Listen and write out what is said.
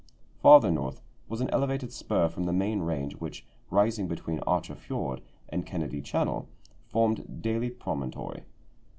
Farther north was an elevated spur from the main range which, rising between Archer Fjord and Kennedy Channel, formed Daly Promontory.